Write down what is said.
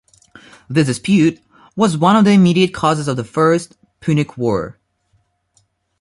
This dispute was one of the immediate causes of the First Punic War.